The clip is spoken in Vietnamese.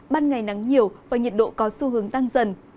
ban ngày nắng nhiều và nhiệt độ có xu hướng tăng dần